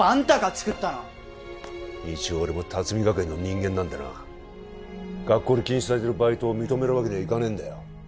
チクったの一応俺も龍海学園の人間なんでな学校で禁止されてるバイトを認めるわけにはいかねえんだよ